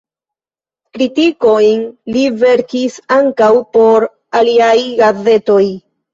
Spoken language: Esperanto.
Kritikojn li verkis ankaŭ por aliaj gazetoj.